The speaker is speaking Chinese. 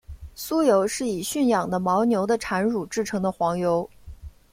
酥油是以驯养的牦牛的产乳制成的黄油。